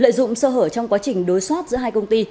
lợi dụng sơ hở trong quá trình đối soát giữa hai công ty